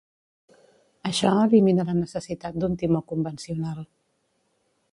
Això elimina la necessitat d'un timó convencional.